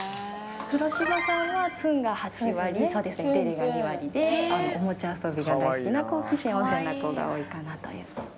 黒柴さんはツンが８割デレが２割でおもちゃ遊びが大好きな好奇心旺盛な子が多いかなという。